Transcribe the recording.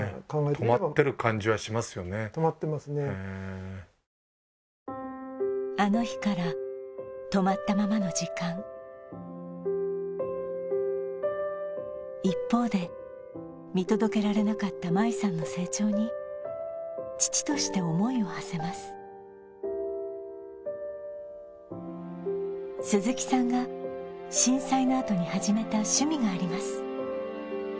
止まってますねあの日から止まったままの時間一方で見届けられなかった真衣さんの成長に父として思いをはせます鈴木さんが震災のあとに始めた趣味があります